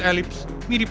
matanya berbentuk selips